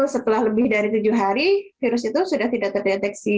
setelah lebih dari tujuh hari virus itu sudah tidak terdeteksi